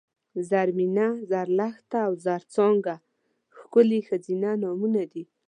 زرمېنه ، زرلښته او زرڅانګه ښکلي ښځینه نومونه دي